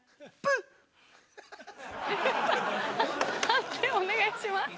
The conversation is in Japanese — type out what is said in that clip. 判定お願いします。